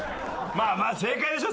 まあまあ正解でしょ！